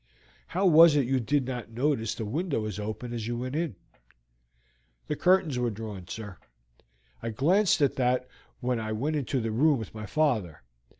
"How was it you did not notice the window was open as you went in?" "The curtains were drawn, sir. I glanced at that when I went into the room with my father.